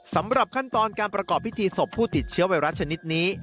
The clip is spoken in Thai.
สำหรับขั้นตอนการประกอบพิธีศพผู้ติดเชื้อไวรัสชนิดนี้